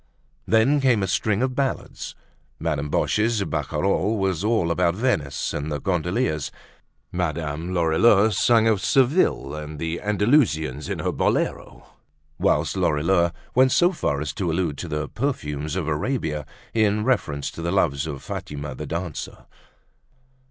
Then came a string of ballads; Madame Boche's barcarolle was all about Venice and the gondoliers; Madame Lorilleux sang of Seville and the Andalusians in her bolero; whilst Lorilleux went so far as to allude to the perfumes of Arabia, in reference to the loves of Fatima the dancer.